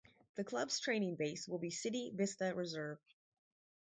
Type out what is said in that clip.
The clubs training base will be City Vista Reserve.